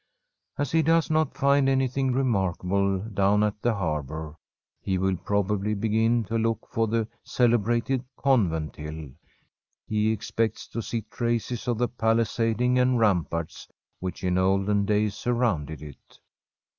As he does not find anything remarkable down at the harbour, he will probably begin to look for the celebrated Convent Hill. He expects to see traces of the palisading and ramparts which in olden days surrounded it.